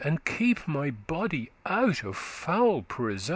And keep my body out of foul prisoun.